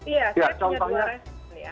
ya saya punya dua resmi